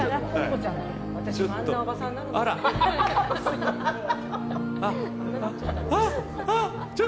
私もあんなおばさんなのね。